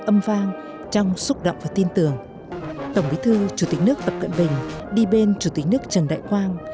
âm vang trong xúc động và tin tưởng tổng bí thư chủ tịch nước tập cận bình đi bên chủ tịch nước trần đại quang